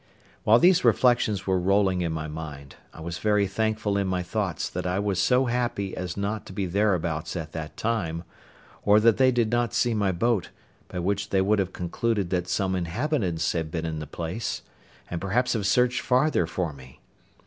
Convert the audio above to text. While these reflections were rolling in my mind, I was very thankful in my thoughts that I was so happy as not to be thereabouts at that time, or that they did not see my boat, by which they would have concluded that some inhabitants had been in the place, and perhaps have searched farther for me.